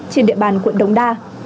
trên địa bàn quận đống đa